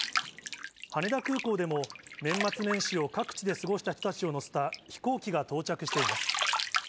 羽田空港でも年末年始を各地で過ごした人たちを乗せた飛行機が到着しています。